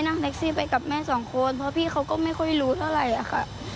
นั่งแท็กซี่ไปกับแม่สองคนเพราะพี่เขาก็ไม่ค่อยรู้เท่าไหร่อะค่ะ